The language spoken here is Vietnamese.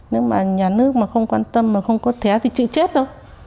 nếu mà nhà nước mà không quan tâm mà không có thẻ thì chịu chết đâu